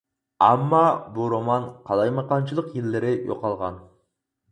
ئەمما بۇ رومان قالايمىقانچىلىق يىللىرى يوقالغان.